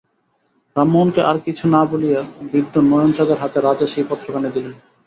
রামমোহনকে আর কিছু না বলিয়া বৃদ্ধ নয়ানচাঁদের হাতে রাজা সেই পত্রখানি দিলেন।